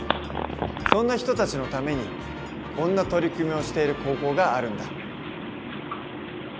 そんな人たちのためにこんな取り組みをしている高校があるんだ。